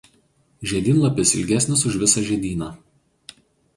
Žiedynlapis ilgesnis už visą žiedyną.